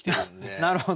なるほど。